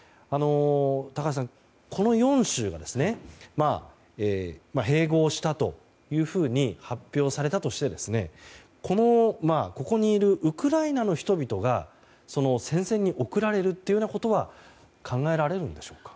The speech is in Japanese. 高橋さん、この４州が併合したというふうに発表されたとしてここにいるウクライナの人々が戦線に送られるということは考えられるんでしょうか？